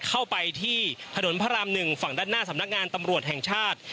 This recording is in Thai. เข้าไปที่ถนนพระราม๑ฝั่งด้านหน้าสำนักงานตำรวจแห่งชาติ